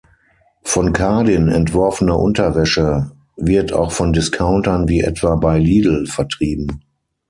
Von Cardin entworfene Unterwäsche wird auch von Discountern wie etwa bei Lidl vertrieben.